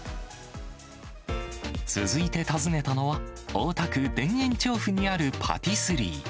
続いて訪ねたのは、大田区田園調布にあるパティスリー。